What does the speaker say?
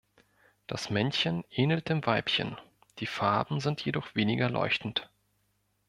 Das Männchen ähnelt dem Weibchen; die Farben sind jedoch weniger leuchtend.